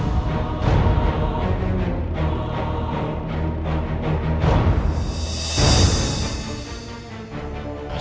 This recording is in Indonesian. dan menjaga kekuasaan